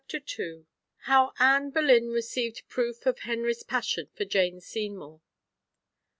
II. How Anne Boleyn received Proof of Henry's Passion for Jane Seymour.